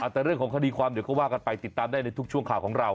แต่เรื่องของคดีความเดี๋ยวก็ว่ากันไปติดตามได้ในทุกช่วงข่าวของเรา